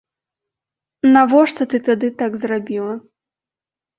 Навошта ты тады так зрабіла?